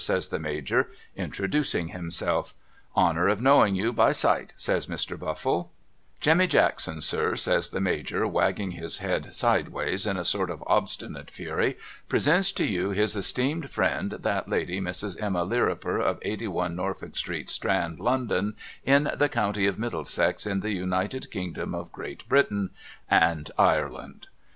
' says the Major introducing himself. ' Honour of knowing you by sight ' says Mr. Buffle, ' Jemmy Jackman sir ' says the Major wagging his head sideways in a sort of obstinate fury ' presents to you his esteemed friend that lady Mrs. Emma Lirriper of Eighty one Norfolk Street Strand London in the County of Middlesex in the United Kingdom of Great Britain and 36o MRS. LIRRU'ER'S LEGACY Ireland.